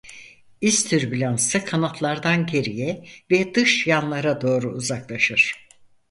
İz türbülansı kanatlardan geriye ve dış yanlara doğru uzaklaşır.